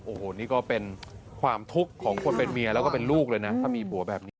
โอ้โหนี่ก็เป็นความทุกข์ของคนเป็นเมียแล้วก็เป็นลูกเลยนะ